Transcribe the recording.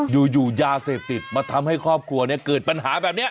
อยู่ยาเสพติดมาทำให้ครอบครัวเนี่ยเกิดปัญหาแบบนี้